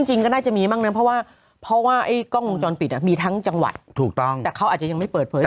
จริงก็น่าจะมีบางนึงเพราะว่าเพราะว่ากล้องปลงจอดปิดอ่ะมีทั้งจังหวัดถูกต้องเขาอาจจะยัง